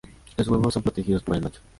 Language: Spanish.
Los huevos son protegidos por el macho.